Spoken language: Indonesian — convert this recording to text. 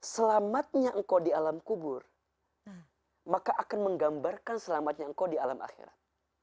selamatnya engkau di alam kubur maka akan menggambarkan selamatnya engkau di alam akhirat